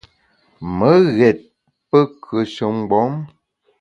Me ghét pe kùeshe mgbom.